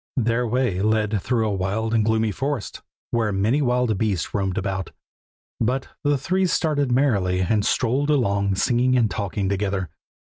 Their way led through a wild and gloomy forest, where many wild beasts roamed about; but the three started merrily, and strolled along singing and talking together.